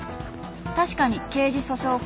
［確かに刑事訴訟法